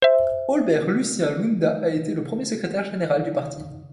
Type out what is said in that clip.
Aubert-Lucien Lounda a été le premier Secrétaire Général du parti.